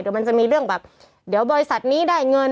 เดี๋ยวมันจะมีเรื่องแบบเดี๋ยวบริษัทนี้ได้เงิน